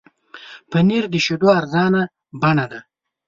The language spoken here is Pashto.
پنېر د شیدو ارزانه بڼه ده.